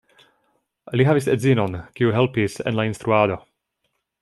Li havis edzinon, kiu helpis en la instruado.